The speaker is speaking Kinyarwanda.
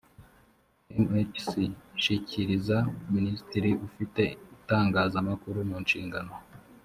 mhc ishyikiriza minisitiri ufite itangazamakuru mu nshingano